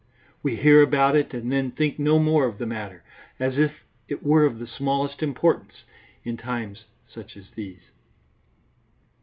We hear about it, and then think no more of the matter, as if it were of the smallest importance in times such as these.